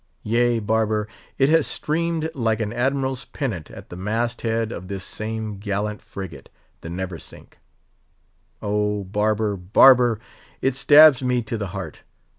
Yea, barber! it has streamed like an Admiral's pennant at the mast head of this same gallant frigate, the Neversink! Oh! barber, barber! it stabs me to the heart.